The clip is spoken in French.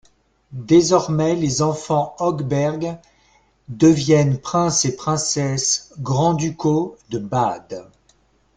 Désormais, les enfants Hochberg deviennent princes et princesses grand-ducaux de Bade.